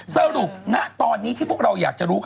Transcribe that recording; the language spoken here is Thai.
สรุปณตอนนี้ที่พวกเราอยากจะรู้